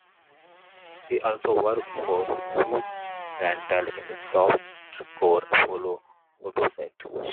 She also worked for Suze Randall in softcore solo photosets.